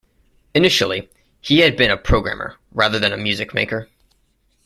Initially, he had been a programmer, rather than a music maker.